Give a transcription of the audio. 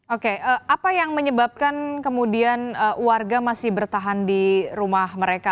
oke apa yang menyebabkan kemudian warga masih bertahan di rumah mereka